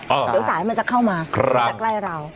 เดี๋ยวสายมันจะเข้ามามันจะใกล้เรา